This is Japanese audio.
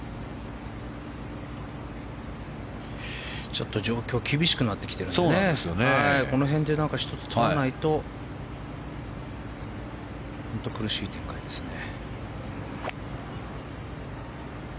ちょっと状況厳しくなってきてるのでこの辺で１つとらないと苦しい展開ですね。